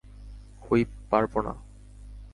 Whip, পারবো না।